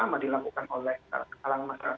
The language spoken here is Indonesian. selama dilakukan oleh alam masyarakat